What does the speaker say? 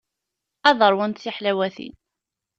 Ad ṛwunt tiḥlawatin.